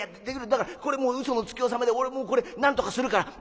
だからこれもう嘘のつき納めで俺もうこれなんとかするから。